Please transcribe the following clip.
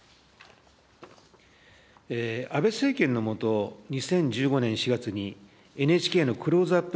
安倍政権の下、２０１５年４月に、ＮＨＫのクローズアップ